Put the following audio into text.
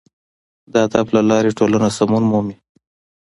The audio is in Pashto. د ادب له لارې ټولنه سمون مومي.